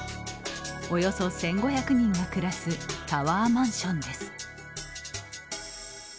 およそ１５００人が暮らすタワーマンションです。